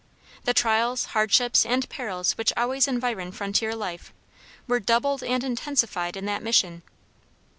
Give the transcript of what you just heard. The trials, hardships, and perils which always environ frontier life, were doubled and intensified in that mission.